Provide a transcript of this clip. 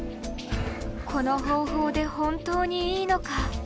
この方法で本当にいいのか？